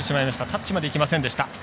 タッチまでいけませんでした。